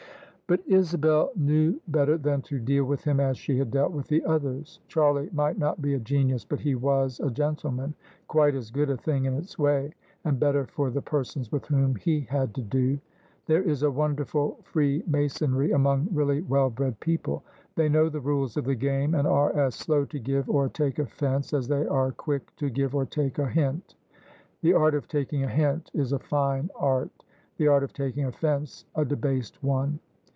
But Isabel knew better than to deal with him as she had dealt with the others. Charlie might not be a genius, but he was a gentleman— quite as good a thing in its way, and better for the persons with whom he had to do. There is a wonderful free masonry among really well bred people: they know the rules of the game : and are as slow to give or take offence, as they are quick to give or take a hint. The art of taking a hint is a fine art : the art of taking offence a debased one.